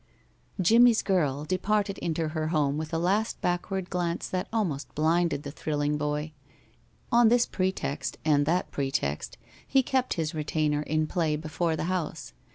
Jimmie's girl departed into her home with a last backward glance that almost blinded the thrilling boy. On this pretext and that pretext, he kept his retainer in play before the house.